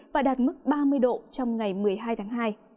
và đạt mức ba mươi độ trong ngày một mươi hai tháng hai